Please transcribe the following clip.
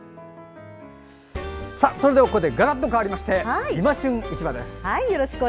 それではガラッと変わりまして「いま旬市場」です。